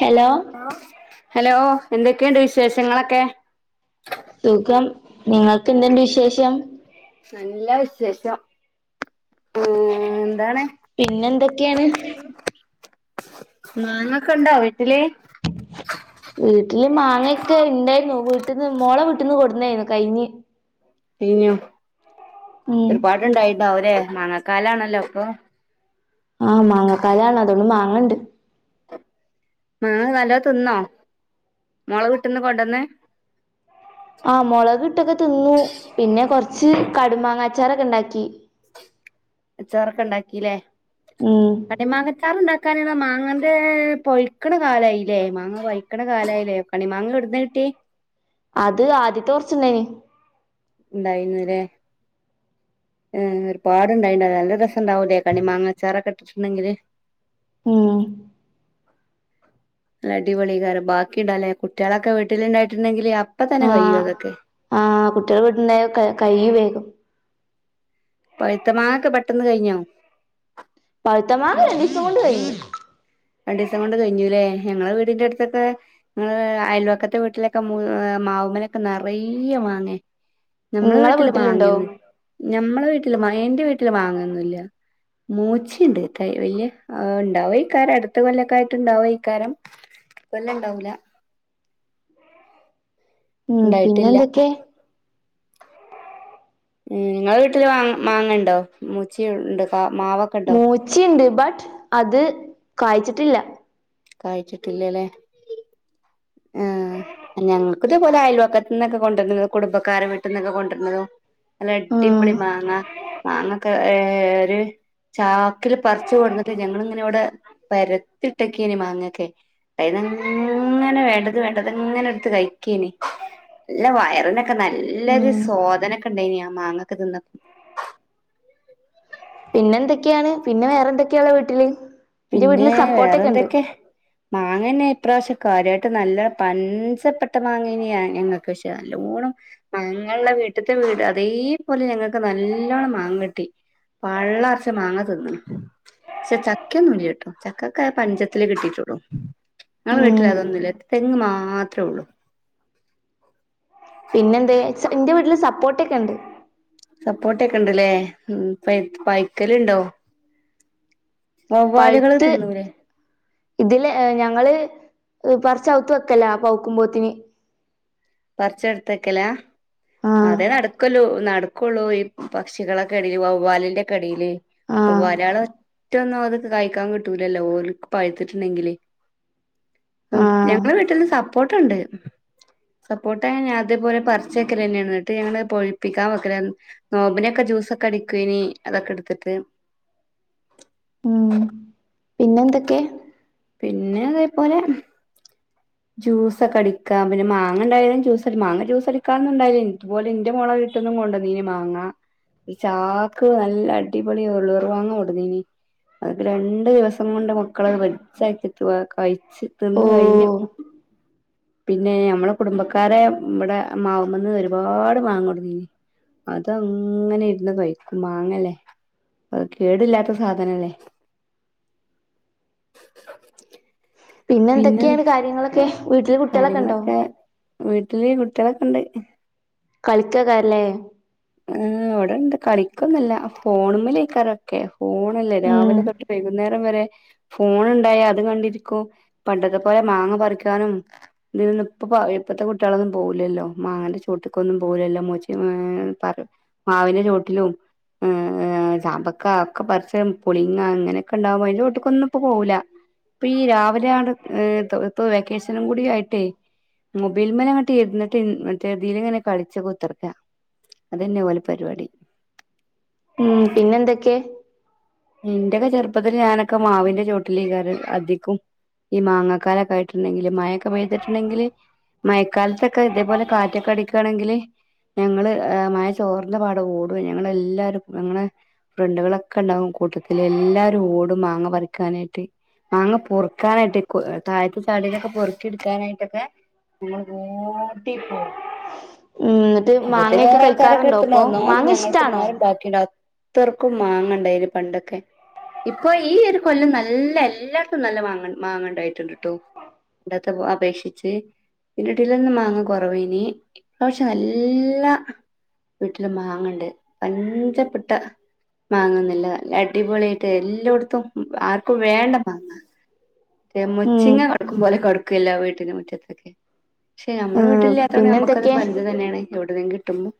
Hello hello എന്തൊക്കെയുണ്ട് വിശേഷങ്ങളൊക്കെ സുഖം നിങ്ങൾക്ക് എന്തുണ്ട് വിശേഷം നല്ല വിശേഷം ഉം എന്താണ് പിന്നെ എന്തൊക്കെയാണ് മാങ്ങക്കെ ഇണ്ടാ വീട്ടില് വീട്ടില് മാങ്ങയൊക്കെ ഇണ്ടായിരുന്നു വീട്ട്ന്ന് മോളെ വീട്ടിന്ന് കൊടുന്നായിരുന്നു കയിഞ്ഞ് കയിഞ്ഞോ ഒരുപാട് ഇണ്ടായി ഇണ്ടാവൂല്ലേ മാങ്ങാക്കാലാണല്ലോ ഇപ്പൊ ആഹ് മാങ്ങക്കാലണ് അതുകൊണ്ട് മാങ്ങണ്ട് മാങ്ങ നല്ലോം തിന്നോ മോളെ വീട്ട്ന്ന് കൊണ്ടന്ന് ആഹ് മൊളക് ഇട്ടൊക്കെ തിന്ന് പിന്നെ കൊറച്ച് ച്ച് കടുമാങ്ങാച്ചാറൊക്കെ ഇണ്ടാക്കി ച്ചാറൊക്കെ ഇണ്ടാക്കില്ലേ ഉം കണ്ണിമങ്ങച്ചാർ ഉണ്ടാ കണ മാങ്ങന്റെ പൊഴിക്കണ കാലായില്ലേ മാങ്ങ പൊഴിക്കണ കാലായില്ലേ ക്കണി മാങ്ങ ഏടന്ന് കിട്ടി അത് ആദ്യത്തെ കുറച്ചിണ്ടായിന് ഉണ്ടായിന്നല്ലേ ഏഹ് ഒരുപാടുണ്ടായിണ്ട നല്ല രസണ്ടാവൂലേ കണി മാങ്ങച്ചാറൊക്കെ ഇട്ടിട്ടുണ്ടെങ്കില് ഉം ല് അടിപൊളി [unintelligible] ബാക്കിുണ്ടല്ലേ കുട്ടികളൊക്കെ വീട്ടിലുണ്ടായിട്ടുണ്ടെങ്കില് അപ്പ തന്നെ കഴിയും ആഹ് അതൊക്കെ ആഹ് കുട്ടികൾ വീട്ടിണ്ടായ കൈയും വേഗം പഴുത്ത മാങ്ങൊക്കെ പെട്ടെന്ന് കഴിഞ്ഞോ പഴുത്തമാങ്ങ രണ്ടീസം കൊണ്ട് കഴ്ഞ്ഞ് രണ്ടു ദിവസം കൊണ്ട് കഴിഞ്ഞുല്ലേ ഞങ്ങള വീടിന്റെ അടുത്തൊക്കെ ഞങ്ങള് വീടിന്റടുത്തൊക്കെ ആഹ് അയൽവാക്കത്തെ വീട്ടിലൊക്കെ മാവിമലേക്കെ നിറയെ മാങ്ങയ നിങ്ങളെ വീട്ടിലുണ്ടോ ഞമ്മളെ വീട്ടില് മാ എന്റെ വീട്ടിൽ മാങ്ങൊന്നുല്ല മൂച്ചയുണ്ട് വലിയ [unintelligible] അടുത്ത കൊല്ലക്ക ആയിട്ട്ുണ്ടാവ ഈക്കാരം ഇക്കൊല്ലം ഉണ്ടാവൂല ഉം ഉണ്ടായിട്ടില്ല പിന്നെന്തൊക്കെ മ് നിങ്ങള വീട്ടില് മാങ്ങ ഉണ്ടോ മൂച്ചിണ്ട് മൂച്ചി ഉണ്ട് ബട്ട് അത് കായ്ച്ചിട്ടില്ല കായ്ച്ചിട്ടില്ലേല്ലേ ഏഹ് ഞങ്ങക്ക ഇതേപോലെ അയൽവക്കത്ത നിന്നൊക്കെ കൊണ്ടുവരുന്നത് കുടുംബക്കാരെ വീട്ടി നിന്നൊക്കെ കൊണ്ടുവര്ന്നതും നല്ല ഉം അടിപ്പൊളി മാങ്ങ മാങ്ങക്കെ ഏഹ് ഏഹ് ഒരു ചാക്കില് പറിച്ച് കൊടുന്നിട്ട് ഞങ്ങളിങ്ങനെ ഇവടെ പരത്തിട്ടക്കെനി മാങ്ങക്കെ അത്ങ്ങനെ വേ ണ്ടത് വേണ്ടത് ഇങ്ങനെ എടുത്ത് കഴിക്കനി നല്ല വയറിനൊക്കെ നല്ലൊരു ഉം സോദനൊക്കെ ഇണ്ടനി ആ മാങ്ങക്കെ തിന്നാ പിന്നെ എന്തൊക്കെയാണ് പിന്നെ വേറെന്തൊക്കെയാള്ളേ വീട്ടില് എന്റെ പിന്നെ വീട്ടില് വേറെ സപ്പോട്ടൊക്കെ ഉണ്ട് എന്തൊക്കെ മാങ്ങന്നെ ഇപ്രാശം കാര്യയിട്ട് നല്ല പഞ്ചപ്പെട്ട മാങ്ങന്യ ഞങ്ങക്ക് പക്ഷെ നല്ലോണം ഞങ്ങള വീട്ടത്തെ വീട് അതേപോലെ ഞങ്ങക്ക് നല്ലോണ്ണം മാങ്ങട്ടി പള്ളനേരച്ച് മാങ്ങ തിന്ന് പക്ഷെ ച ക്കെന്നുല്ല ട്ടോ ചക്കക്കെ പഞ്ചത്തിലെ കിട്ടിട്ടുള്ളൂ ഞങ്ങളെ ഉം വീട്ടിലതൊന്നുവില്ല തെങ്ങ് മാത്രേ ഒള്ളൂ. പിന്നെ എന്താ ന്റെ വീട്ടില് സപ്പോട്ടേക്കെ ഒണ്ട് സപ്പോട്ടേക്കെ ഇണ്ടല്ലേ ഉം പൈ പയ്ക്കലോണ്ടോ പഴുത്ത് ഇതില് ഞങ്ങള് പറിച്ച്വത്ത് വെക്കലാ പക്കുമ്പോത്തിന് പറിച്ചെടുത്ത്വക്കലാ ആഹ് അതെ നടക്ക്വല്ലോ നട ക്കൊള്ളൂ ഈ പക്ഷികളുടെ കെടയില് വവ്വാലിന്റെക്കെടേല് വ്വ ആഹ് ഒരാള് മറ്റ് ഒന്നും അത്ക്ക് കഴിക്കാൻ കിട്ടൂലല്ലോ ഓല്ക്ക് പഴ്ത്തിട്ടുണ്ടെങ്കില് ആഹ് ഞങ്ങ വീട്ടില് സപ്പോർട്ടേണ്ട് സപ്പോർട്ട അങ്ങനെ അതേപോലെ പറിച്ചെക്കല് തന്നെയാണ് എന്നിട്ട് ഞങ്ങള് പോ പ്പിക്കാൻ വെക്കലാ നോബിനൊക്കെ ജ്യൂസൊക്കെ അടിക്ക്വേനി അതൊക്കെ എടുത്തിട്ട് ഉം പിന്നെന്തൊക്കെ പിന്നെതേപോലെ ജ്യൂസൊക്കെ അടിക്കാം പിന്നെ മാങ്ങ ഇണ്ടായാലും ജ്യൂസ് മാങ്ങ ജ്യൂസ് അടിക്കാന്നുംണ്ടായില്ല ഇതുപോലെ എന്റെ മോള വീട്ടിന്നും കൊണ്ടന്നി മാങ്ങ ചാക്ക് നല്ല അടിപൊളി ഉരുളൻ മാങ്ങ കൊടന്നീനി അതൊക്കെ രണ്ടു ദിവസം കൊണ്ട് മക്കളത് [unintelligible] ഓ തിന്ന് കഴിഞ്ഞു പിന്നെ ഞമ്മളെ കുടുംബക്കാര് ഇവിടെ മാവുമേന്ന് ഒരുപാട് മാങ്ങ കൊടന്ന് അത് അങ്ങനെ ഇരുന്ന് കഴിക്കും മാങ്ങല്ലേ അത് കേടില്ലാത്ത സാധനല്ലേ പിന്നെ എന്തൊക്കെയാണ് കാര്യങ്ങളൊക്കെ വീട്ടില് കുട്ടികളൊക്കെ ഉണ്ടോ കാര്യങ്ങളൊക്കെ വീട്ടില് കുട്ടികളൊക്കെ ഇണ്ട് കളിക്കേക്കാരല്ലേ ആഹ് വിടെണ്ട് കളിക്കൊന്നല്ല ഫോണുമ്മലേക്കാരം ഒക്കെ ഫോണല്ലേ ഉം രാവിലെ തൊട്ട് വൈകുന്നേരം വരെ ഫോണ് ണ്ടായ അത് കണ്ടിരിക്കും പണ്ടത്തെ പോലെ മാങ്ങ പറിക്കാനും ഇതിനൊന്നും ഇപ്പ ഇപ്പഴത്തെ കുട്ടികളൊന്നും പോവില്ലല്ലോ മാങ്ങന്റെ ചോട്ടക്കൊന്നും പോവില്ലല്ലോ മൂച്ചി ഏഹ് പറ മാവിന്റെ ചോട്ടിലും ഏ ചാമ്പക്ക ഒക്കെ പർച്ച് പുളിങ്ങ ഇങ്ങനൊക്കെ ഉണ്ടാവുമ്പോ അതിന്റെ ചോട്ടക്ക് ഒന്നും ഇപ്പോ പോവില്ല ഇപ്പൊ ഈ രാവിലെയാണ് ഇപ്പൊ വെക്കേഷനും കൂടി ആയിട്ടേ മൊബൈൽ മന അങ്ങോട്ട് ഇരുന്നിട്ട്തിൽ ഇങ്ങനെ കളിച്ച് കുത്തിർക്ക അതന്നെ ഓലെ പരിപാടി ഉം പിന്നെന്തൊക്കെ എന്റെയൊക്കെ ചെറുപ്പത്തിൽ ഞാനൊക്കെ മാവിന്റെ ചുവട്ടിൽ ഇരിക്കാറ് അധികും ഈ മാങ്ങക്കാലൊക്കെ ആയിട്ടുണ്ടെങ്കില് മഴൊക്കെ പെയ്തിട്ടുണ്ടെങ്കില് മഴക്കാലത്തൊക്കെ ഇതേപോലെ കാറ്റൊക്കെ അടിക്കുകയാണെങ്കില് ഞങ്ങള് മഴ ചോർന്ന പാടെ ഓടും ഞങ്ങ എല്ലാരും ഞങ്ങളെ ഫ്രണ്ടുകളൊക്കെ ഉണ്ടാവും കൂട്ടത്തിൽ എല്ലാരും ഓടും മാങ്ങ പറിക്കാനായിട്ട് മാങ്ങ പൊറുക്കാനായിട്ട് താഴത്തെ ചാടയിലൊക്കെ പൊറുക്കി എടുക്കാനായിട്ടൊക്കെ ഞങ്ങൾ ഓടി പോകും എന്നിട്ട് മാങ്ങൊക്കെ കഴിക്കാറുണ്ടോ ഇപ്പൊ മാങ്ങ ഇഷ്ടാണോ തർക്കും മാങ്ങണ്ടായിലും പണ്ടൊക്കെ ഇപ്പൊ ഈ ഒരു കൊല്ലം നല്ല എല്ലാടത്തും നല്ല മാങ്ങ മാങ്ങണ്ടായിട്ടുണ്ട് ട്ടോ പണ്ടത്തെ അപേക്ഷിച്ച് ഇതിന്റെ ഇടയിലൊന്ന് മാങ്ങ കുറവേനി ഇാപ്രാവശ്യം എല്ലാ വീട്ടിലും മാങ്ങണ്ട് പഞ്ചപ്പെട്ട മാങ്ങന്നല്ല നല്ല അടിപൊളിട്ട് എല്ലായിടത്തും ആർക്കും വേണ്ട മാങ്ങ ഉം മുച്ചിങ്ങ കടക്കും പോലെ കടക്കും ല്ല വീട്ടിന്റെ മുറ്റത്തൊക്കെ പക്ഷെ നമ്മടെ ഉം വീ ട്ടില്ലാത്തുകൊണ്ട് പിന്നെന്തൊക്കെ നമുക്കതൊരു പലതു തന്നെയാണ് എവിടെതെങ്ങും കിട്ടുമ്പോ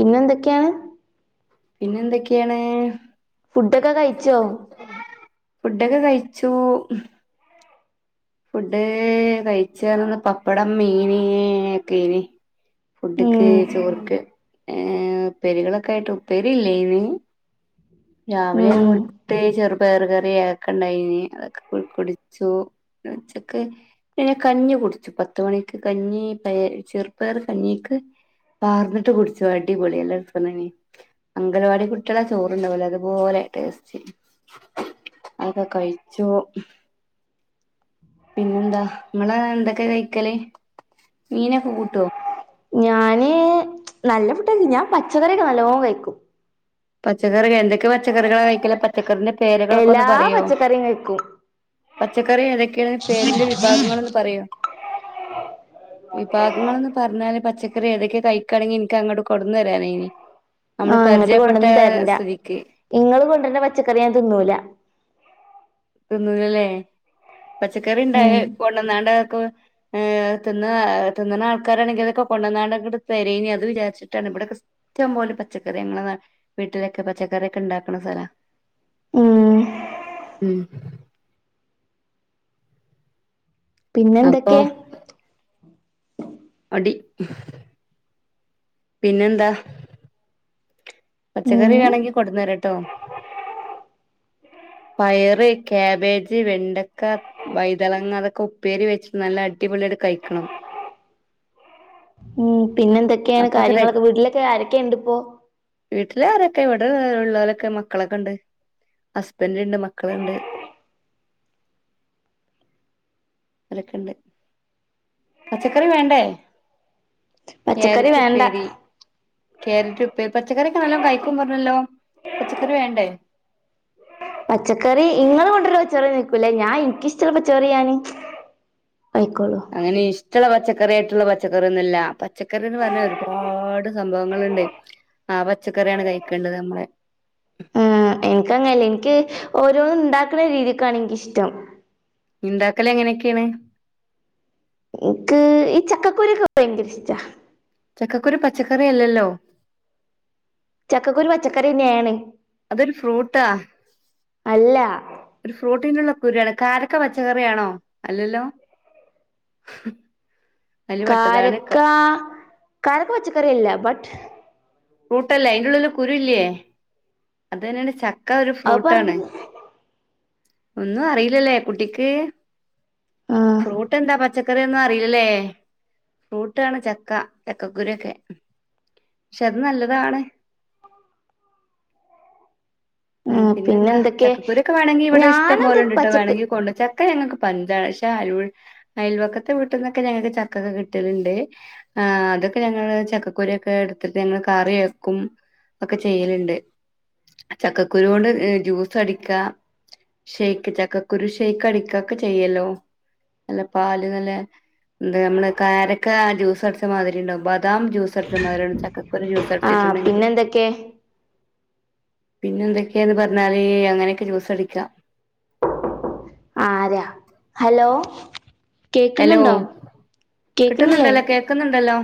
പിന്നെന്തൊക്കെയാണ് പിന്നെ എന്തൊക്കെയാണ് ഫുഡൊക്കെ കഴിച്ചോ ച്ചു ഫുഡ് കഴിച്ചിർന്ന് പപ്പടം മീന് ഒക്കെ ഇനി ഫുഡ്ക്ക് ഉം ചോറ്ക്ക് ഏ ഉപ്പേരികളൊക്കെ ആയിട്ട് ഉപ്പേരി ഇല്ലേന്ന് രാവിലെ ഉം മുട്ടെ ചെറുപയർ കറിയൊക്കെണ്ടായിന് അതൊക്കെ കു കുടിച്ചു ഉച്ചക്ക് പിന്നെ കഞ്ഞി കുടിച്ചു പത്ത് മണിക്ക് കഞ്ഞി പയ ചെറുപ്പയർ കഞ്ഞിക്ക് പാർന്നിട്ട് കുടിച്ചു അടിപൊളി എല്ലാം എടുത്തു അംഗനവാടി കുട്ടികള ചോറണ്ടാവലെ അതുപോലെ ടേസ്റ്റ് അതൊക്കെ കഴിച്ചു പിന്നെന്താ നമ്മള എന്തൊക്കെ കഴിക്കല് മീനൊക്കെ കൂട്ടുവോ ഞാന് നല്ല ഫുഡ് ഞാൻ പച്ചക്കറിയക്കെ നല്ലോ കഴിക്കും പച്ചക്കറികൾ എന്തൊക്കെ പച്ചക്കറികള കഴിക്കല് പച്ചക്കറിന്റെ പേരുകളൊക്കെ ഒന്ന് എല്ലാ പറയോ പച്ചക്കറിയും കഴിക്കും പച്ചക്കറി എതൊക്കെയ പേരിന്റെ വിഭാഗങ്ങളൾന്ന് പറയോ വിഭാഗങ്ങളൾന്ന് പറഞ്ഞാല് പച്ചക്കറി ഏതൊക്കെ കഴിക്കുകണെങ്കിൽ എനിക്ക് അങ്ങോട്ട് കോട്‌നരാനയിന് നമ്മള് ആഹ് ഇങ്ങട്ട് പർജ- കൊണ്ടന്ന് തരണ്ട ഇങ്ങൾ കൊണ്ടർന പച്ചക്കറി ഞാൻ തിന്നൂല തിന്നൂലല്ലെ പച്ചക്കറി ഇണ്ടായ ഉം കൊണ്ടന്നാണ്ടാക്കൊ ഏർ തിന്ന തിന്നണ ആൾക്കാരാണെങ്കിൽക്കൊ കൊണ്ടുന്നാട അങ്ങട് തരയിന് അത് വിചാരിച്ചിട്ടാണ് ഇവിടെക്കെ ഇഷ്ടം പോലും പച്ചക്കറി നാട്ട് വീട്ടിലൊക്കെ പച്ചക്കറൊക്കെ ഉണ്ടാക്കുന്ന സ്ഥലാ ഉം ഉം അപ്പൊ പിന്നെന്തൊക്കെ അടി പിന്നെന്താ പച്ചക്കറി ഉം വേണെങ്കിൽ കൊടുന്നരാട്ടോ പയറ് കാബേജ് വെണ്ടക്ക വൈതളങ്ങ അതൊക്കെ ഉപ്പേരി വെച്ചിട്ട് നല്ല അടിപൊളിയാട്ട് കഴിക്കണം ഉം പിന്നെ എന്തൊക്കെയാണ് അപ്പൊക്കെ ര കാര്യങ്ങളൊക്കെ വീട്ടിലൊക്കെ ആരൊക്കെയുണ്ട് ഇപ്പോ? വീട്ടില് ആരൊക്കെ ഇവിടെ ഇള്ളോലൊക്കെ മക്കളൊക്കെണ്ട്, ഹസ്ബെന്റഉണ്ട് മക്കളുണ്ട്, ഓലൊക്കെണ്ട് പച്ചക്കറി വേണ്ടേ? പച്ചക്കറി കേരെറ്റ് വേണ്ട ഉപ്പേരി കേരെറ്റ് ഉപ്പേരി പച്ചക്കറൊക്കെ നല്ലോം കഴിക്കും പറഞ്ഞല്ലോ പച്ചക്കറിവേണ്ടേ? പച്ചക്കറി ഇങ്ങള് കൊണ്ടര്ണ പച്ചറി ഇട്ക്കൂല ഞാൻ ഇൻക്കിഷ്ടള്ള പച്ചക്കറി ഞാന് അങ്ങനെ ഇഷ്ടള്ള പച്ച ക്കറി ആയ്ട്ട്ള്ള പച്ചക്കറി ഒന്നുല്ല പച്ചക്കറീന്ന് പർഞ്ഞാ ഒരുപാട് സംഭവങ്ങള്ണ്ട് ആ പച്ചക്കറിയാണ് കഴിക്കേണ്ടത് നമ്മള് ആഹ് ഇൻക്കങ്ങനല്ല ഇൻക്ക് ഓരോന്നും ഇണ്ടാക്ണ രീതിക്കാണ് ഇൻക്കിഷ്ടം ഇണ്ടാക്കലെങ്ങനെക്കേണ് ഇൻക്ക് ഈ ചക്കക്കുരു ഒക്കെ ഭയങ്കര ഇഷ്ടാ ചക്കക്കുരു പച്ചക്കറി അല്ലല്ലോ ചക്കക്കുരു പച്ചക്കറിന്നേണ് അതൊരു ഫ്രൂട്ടാ അല്ല ഒരു ഫ്രൂട്ടന്ള്ള കുരി ആണ് കാരക്ക പച്ചക്കറിയാണോ അല്ലല്ലോ അതില് പെട്ടതാണ് കാരക്ക കാരക്ക പച്ചക്കറിയല്ല ബട്ട് ഫ്രൂട്ടല്ലെ ഐൻ്റുള്ളില് കുരു ഇല്ലേ അതന്നേണ് ച ക്ക ഒരു അത് ഫ്രൂട്ടാണ് പറഞ്ഞത് ഒന്നും അറീലലെ കുട്ടിക്ക് ആ ഫ്രൂട്ടെന്താ പച്ച ക്കറി ഒന്നും അറിയിലലെ ഫ്രൂട്ടാണ് ചക്ക ചക്കക്കുരു ഒക്കെ [unintelligible] നല്ലതാണ് ആ, പിന്നെന്താ പിന്നെന്തൊക്കെ ചക്കുരൊക്കെ വാണെങ്കി ഇവടെ ഇഷ്ടം ഞാനത് പോലെ ഇണ്ട്ട്ടോ പച്ചക്ക് വേണെങ്കി കൊണ്ട ച ചക്ക ഞങ്ങക്ക് പഞ്ചാണ് പക്ഷെ അയൽവ് അയൽവക്കത്തെ വീട്ട്ന്നൊക്കെ ഞങ്ങക്ക് ചക്കക്കേ കിട്ടല്ണ്ട് ആഹ് അതൊക്കെ ഞങ്ങള് ചക്കകുരൊക്കെ ഇട് ത്ത്ട്ട് ഞങ്ങള് കറി വെക്കും ഒക്കെ ചെയ്യല്ണ്ട്. ചക്കക്കുരോണ്ട് ജ്യൂസടിക്കാ ഷെയ്ക്ക് ചക്കക്കുരു ഷെയ്ക്കടിക്കാ ഒക്കെ ചെയ്യല്ലോ. നല്ല പാല് നല്ല എന്താ നമ്മള് കാരക്ക ജ്യൂസ് അട്ച്ച മാതിരിണ്ടാവും ബദാം ജ്യൂസ് അട്ച്ച മാതിരി ച ആഹ് പിന്നെ എന്തെക്കേ പിന്നെന്തെക്കേന്ന് പർഞ്ഞാല് അങ്ങനൊക്കെ ജൂസടിക്ക ആരാ ഹലോ എലോ കേക്കുന്നുണ്ടോ കേക്കുന്നില്ലേ കിട്ട്ന്ന്ണ്ടല്ലോ കേക്ക്ന്ന്ണ്ടല്ലോ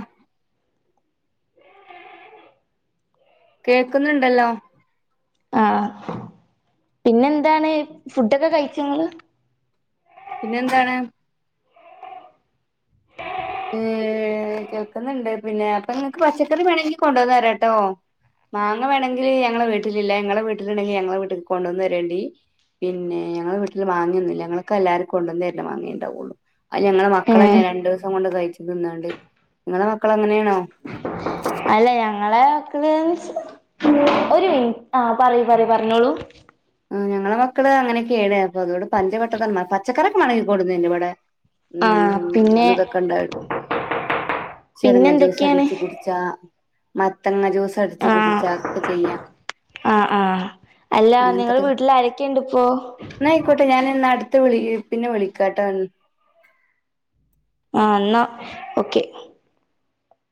കേക്ക്ന്ന്ണ്ടല്ലോ ആഹ് പിന്നെന്താണ് ഫുഡൊക്കെ കഴിച്ചങ്ങള് പിന്നെന്താണ് ഏഹ് കേൾക്ക്ന്ന്ണ്ട് പിന്നെ അപ്പൊ ഇങ്ങക്ക് പച്ചക്കറി വേണങ്കി കൊണ്ടന്നരെട്ടോ മാങ്ങ വേണങ്കില് ഞങ്ങളെ വീട്ടിലില്ല ഇങ്ങളെ വീട്ടില്ണ്ടെങ്കി ഞങ്ങളെ വീട്ട്ക്ക് കൊണ്ടന്നെരേണ്ടി പിന്നെ ഞങ്ങളെ വീട്ട്ല് മാങ്ങ്യൊന്നുല്ല ഞങ്ങൾക്ക് അല്ലാരും കൊണ്ടുന്നെരല്ലാ മാങ്ങേ ഇണ്ടാവൊള്ളു അത് ഞങ്ങളെ ഏ മക്കളെന്നെ രണ്ട് രണ്ടിസം കൊണ്ട് കയ്ച്ചും തിന്നാണ്ട് ഇങ്ങളെ മക്കള് അങ്ങനേണോ അല്ല ഞങ്ങളെ മക്കള് സ് ഒരു മിന ആഹ് പറി പറി പർഞ്ഞോളൂ ആഹ് ഞങ്ങളെ മക്കള് അങ്ങനൊക്കേണ് അപ്പ അതോണ്ട് പഞ്ചപെട്ടതെ പച്ചക്കറി ഒക്കെ മാണങ്കി കൊട്ന്നര്ന്റ് ഇവടെ ആ ഉം പിന്നെ അത് തൊക്കെ ഇൻണ്ട് പിന്നെ ചെരങ്ങ ജ്യൂസ് എന്തൊക്കെയാണ് അടിച്ചു കുട്ച്ചാ മത്തങ്ങ ജൂ ടിച്ചു ആ കുടിച്ച ഒക്കെ ചെയ്യാം ആ ആ അല്ല നിങ്ങള് അങ്ങനത്തൊക്കെ വീട്ടിൽ ആരൊക്കെയുണ്ട് ഇപ്പോ എന്നായിക്കോട്ടെ ഞാൻ എന്നാ അടുത്ത വിളി പിന്നെ വിളിക്കാട്ടാ ആ എന്നാ ഒക്കെ